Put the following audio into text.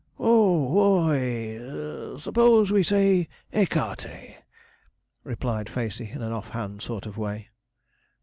'Oh w h o y s'pose we say écarté?' replied Facey, in an off hand sort of way.